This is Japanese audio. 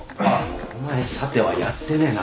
お前さてはやってねえな。